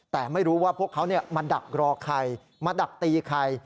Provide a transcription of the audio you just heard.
แต่ไม่รู้ว่าพวกเขามาดักรอใครมาดักตีใคร